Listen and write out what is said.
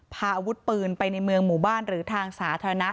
พาอาวุธปืนไปในเมืองหมู่บ้านหรือทางสาธารณะ